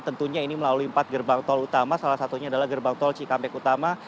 tentunya ini melalui empat gerbang tol utama salah satunya adalah gerbang tol cikampek utama